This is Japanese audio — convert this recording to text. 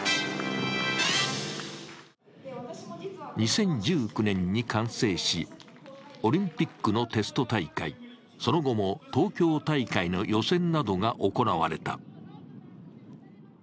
２０１９年に完成し、オリンピックのテスト大会、その後も東京大会の予選などが行われた。